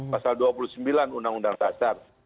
pasal dua puluh sembilan undang undang dasar